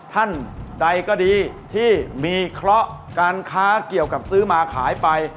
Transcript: ท่านใดก็ดีที่มีเคราะห์การค้าเกี่ยวกับซื้อมาขายไป